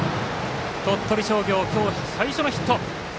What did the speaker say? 鳥取商業、今日最初のヒット。